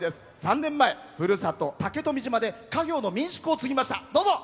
３年前にふるさと竹富島に帰って家業の民宿を継ぎました。